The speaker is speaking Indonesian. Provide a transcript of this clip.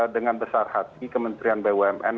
dengan besar hati kementerian bumn